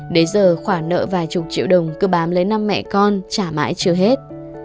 đến giờ khoản nợ vài chục triệu đồng cơ bám lấy năm mẹ con trả mãi chưa hết